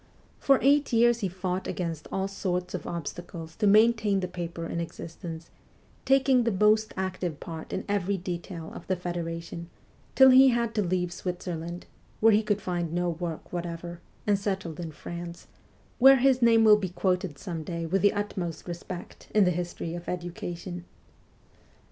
For eight years he fought against all sorts of obstacles to maintain the paper in existence, taking the most active part in every detail of the federation, till he had to leave Switzerland, where he could find no work whatever, and settled in France, where his name will be quoted some day with the utmost respect in the history of education.